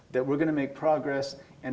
bahwa kita akan berkembang